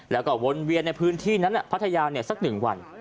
แล้วก็วนเวียนในพื้นที่นั้นพัทยาสัก๑วัน